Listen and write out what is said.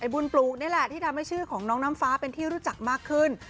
บุญปลูกนี่แหละที่ทำให้ชื่อของน้องน้ำฟ้าเป็นที่รู้จักมากขึ้น